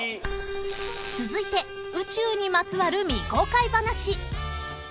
［続いて宇宙にまつわる未公開話］